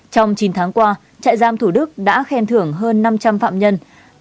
trong chín tháng qua trại giam thủ đức đã khen thưởng hơn năm trăm linh phạm nhân